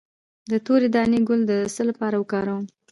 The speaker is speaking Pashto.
د تورې دانې ګل د څه لپاره وکاروم؟